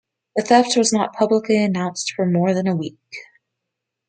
The theft was not publicly announced for more than a week.